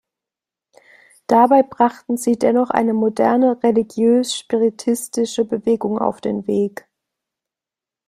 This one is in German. Dabei brachten sie dennoch eine moderne religiös-spiritistische Bewegung auf den Weg.